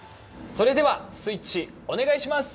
それではスイッチ、お願いします。